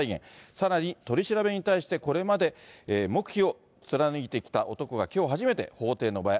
さらに取り調べに対して、これまで黙秘を貫いてきた男がきょう初めて法廷の場へ。